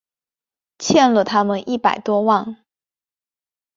欠了他们一百多万